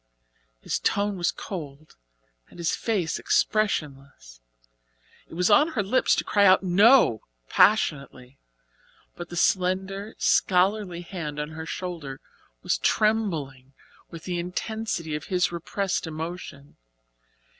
His tone was cold and his face expressionless. It was on her lips to cry out "No," passionately. But the slender, scholarly hand on her shoulder was trembling with the intensity of his repressed emotion.